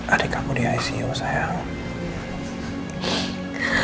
adik aku di icu saya